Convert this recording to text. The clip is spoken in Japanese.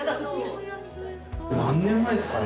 何年前ですかね？